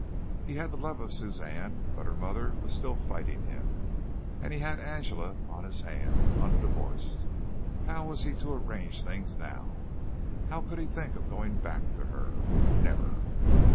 He had the love of Suzanne, but her mother was still fighting him, and he had Angela on his hands, undivorced. How was he to arrange things now? How could he think of going back to her? Never!